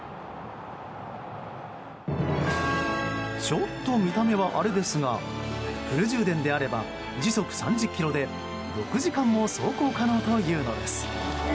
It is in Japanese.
ちょっと見た目はあれですがフル充電であれば時速３０キロで６時間も走行可能というのです。